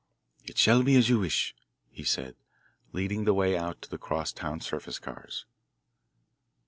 "It shall be as you wish," he said, leading the way out to the cross town surface cars.